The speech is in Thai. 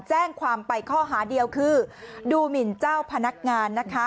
แจ้งความไปข้อหาเดียวคือดูหมินเจ้าพนักงานนะคะ